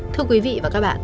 thưa quý vị và các bạn